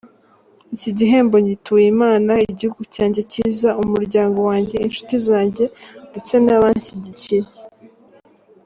Iki gihembo ngituye Imana, igihugu cyanjye cyiza, umuryango wanjye, inshuti zanjye ndetse n’abanshyigikiye.